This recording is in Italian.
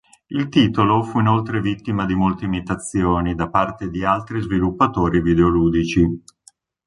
Il titolo fu inoltre vittima di molte imitazioni da parte di altri sviluppatori videoludici.